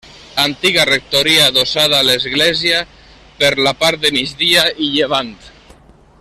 Antiga rectoria adossada a l'església per la part de migdia i de llevant.